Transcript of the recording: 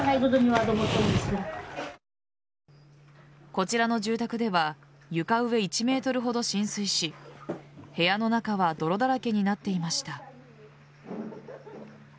こちらの住宅では床上１ｍほど浸水し部屋の中は泥だらけになっていました。